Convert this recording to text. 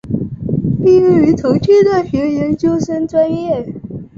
毕业于重庆大学研究生专业。